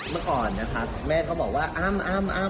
เมื่อก่อนนะครับแม่เขาบอกว่าอ้ำ